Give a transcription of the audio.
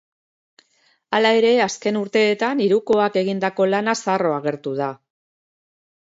Hala ere, azken urteetan hirukoak egindako lanaz arro agertu da.